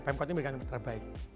pemkot ini memberikan yang terbaik